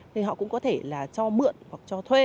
thì họ cũng có thể là cho mượn hoặc cho thuê